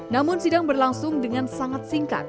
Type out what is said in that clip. namun sidang berlangsung dengan sangat singkat